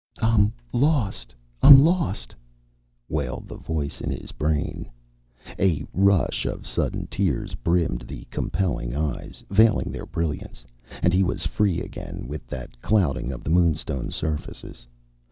"I'm lost I'm lost " wailed the voice in his brain. A rush of sudden tears brimmed the compelling eyes, veiling their brilliance. And he was free again with that clouding of the moonstone surfaces.